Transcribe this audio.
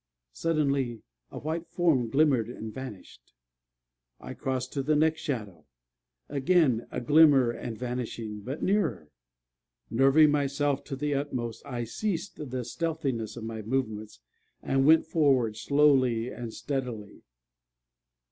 Suddenly a white form glimmered and vanished. I crossed to the next shadow. Again a glimmer and vanishing, but nearer. Nerving myself to the utmost, I ceased the stealthiness of my movements, and went forward, slowly and steadily.